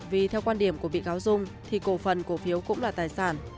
vì theo quan điểm của bị cáo dung thì cổ phần cổ phiếu cũng là tài sản